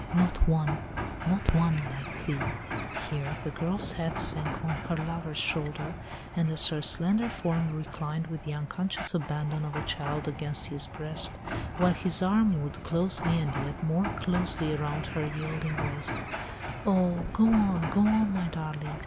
not one, not one like thee!'" Here the girl's head sank on her lover's shoulder, and as her slender form reclined with the unconscious abandon of a child against his breast, while his arm wound closely and yet more closely around her yielding waist, "Oh! go on, go on, my darling!